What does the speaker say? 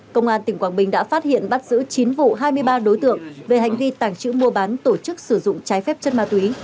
công an tỉnh quảng bình đã phát hiện bắt giữ chín vụ hai mươi ba đối tượng về hành vi tàng trữ mua bán tổ chức sử dụng trái phép chất ma túy